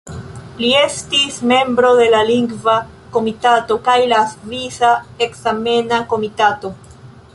Li estis membro de la Lingva Komitato kaj de la Svisa Ekzamena Komitato.